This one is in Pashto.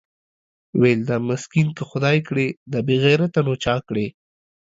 ويل دا مسکين که خداى کړې دا بېغيرته نو چا کړې؟